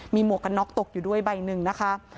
มีหมวกกันน็อกตกอยู่ด้วยใบหนึ่งนะคะ